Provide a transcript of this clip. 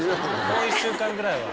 もう１週間ぐらいは。